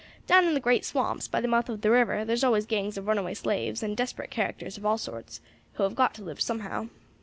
Down in the great swamps, by the mouth of the river, thar's always gangs of runaway slaves, and desperate characters of all sorts, who have got to live somehow.